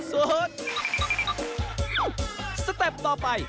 สเต็ปต่อไป